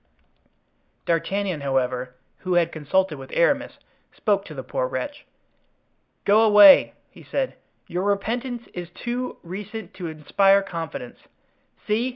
D'Artagnan, however, who had consulted with Aramis, spoke to the poor wretch. "Go away," he said; "your repentance is too recent to inspire confidence. See!